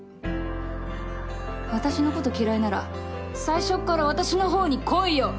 私のこと嫌いなら最初っから私のほうに来いよ